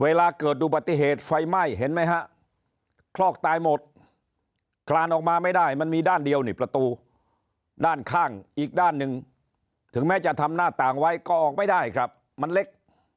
เวลาเกิดอุบัติเหตุไฟไหม้เห็นไหมฮะคลอกตายหมดคลานออกมาไม่ได้มันมีด้านเดียวนี่ประตูด้านข้างอีกด้านหนึ่งถึงแม้จะทำหน้าต่างไว้ก็ออกไม่ได้ครับมันเล็ก